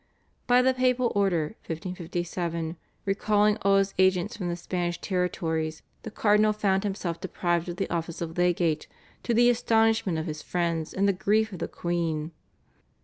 By the papal order (1557) recalling all his agents from the Spanish territories the Cardinal found himself deprived of the office of legate, to the astonishment of his friends and the grief of the queen.